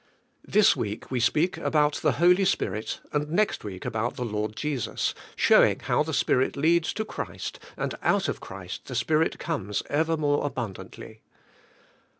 This week we speak about the Holy Spirit and next week about the Lord Jesus, showing how the Spirit leads to Christ and out of Christ the Spirit comes ever more abundantly.